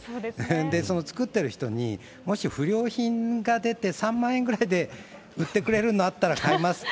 その作ってる人にもし不良品が出て、３万円ぐらいで売ってくれるのあったら買いますって。